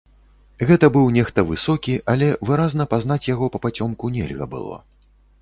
Гэта быў нехта высокі, але выразна пазнаць яго папацёмку нельга было.